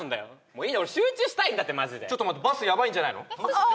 もういいよ俺集中したいんだってマジでちょっと待ってバスやばいんじゃないの？